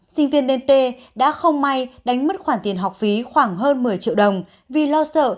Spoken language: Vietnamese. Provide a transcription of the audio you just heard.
sinh viên nên tê đã không may đánh mất khoản tiền học phí khoảng hơn một mươi triệu đồng vì lo sợ